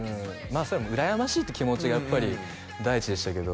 あそれも羨ましいっていう気持ちがやっぱり第一でしたけど